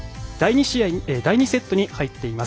第２セットに入っています。